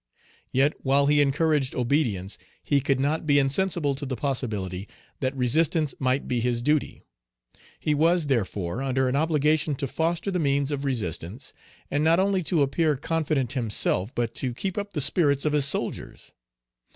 Yet, while he encouraged obedience, he could not be insensible to the possibility that resistance might be his duty. He was, therefore, under an obligation to foster the means of resistance, and not only to appear confident himself, but to keep up the spirits of his soldiers.